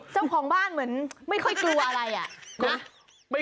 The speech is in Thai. เจ้าของบ้านเหมือนไม่ค่อยกลัวอะไรอ่ะนะ